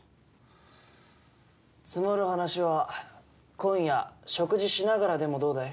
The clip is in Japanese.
積もる話は今夜食事しながらでもどうだい？